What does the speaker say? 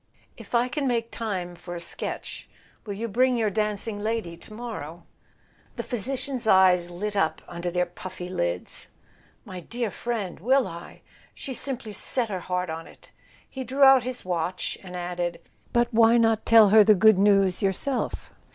"If I can make time for a sketch—will you bring your dancing lady to morrow?" The physician's eyes lit up under their puffy lids. "My dear friend—will I? She's simply set her heart on it!" He drew out his watch and added: "But why not tell her the good news yourself?